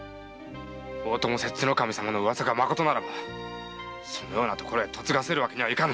大友摂津守様の噂がまことならばそんなところへ嫁がせるわけにはいかぬ！